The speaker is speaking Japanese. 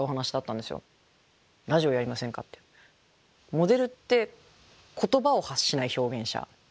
モデルって言葉を発しない表現者じゃないですか。